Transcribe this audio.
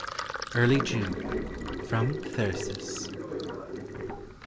EARLY JUNE. FROM " THYRSIS."